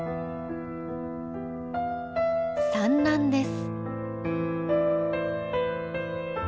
産卵です。